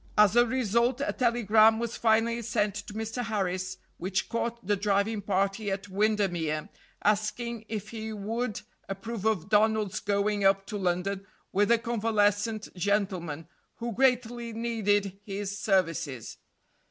As a result, a telegram was finally sent to Mr. Harris, which caught the driving party at Windemere, asking if he would approve of Donald's going up to London with a convalescent gentleman who greatly needed his services.